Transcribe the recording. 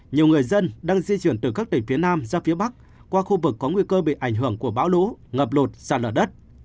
nhiều người dân đang di chuyển từ các tỉnh phía nam ra phía bắc qua khu vực có nguy cơ bị ảnh hưởng của bão lũ ngập lụt sạt lở đất